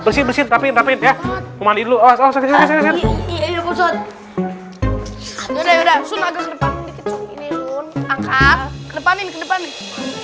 bersih bersih tapi tapi dia memandai luas wasa kejadian ini udah sudah agak depan angkat depan